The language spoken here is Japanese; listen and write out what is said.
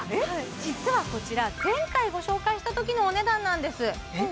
実はこちら前回ご紹介したときのお値段なんですえっ？